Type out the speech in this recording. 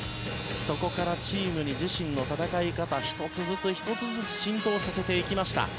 そこからチームに自身の戦い方１つずつ１つずつ浸透させていきました。